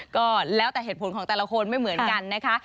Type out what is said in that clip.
ก็แล้วแต่เหตุผลของแต่ละคนไม่เหมือนกันนะคะ